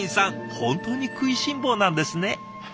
本当に食いしん坊なんですね。